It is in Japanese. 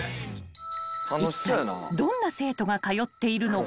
［いったいどんな生徒が通っているのか］